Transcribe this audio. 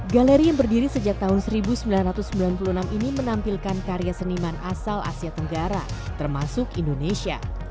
galeri yang berdiri sejak tahun seribu sembilan ratus sembilan puluh enam ini menampilkan karya seniman asal asia tenggara termasuk indonesia